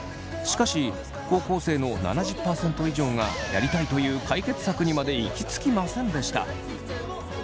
しかし高校生の７０％以上がやりたいという解決策にまで行き着きませんでした。